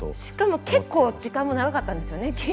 しかも結構時間も長かったんですよね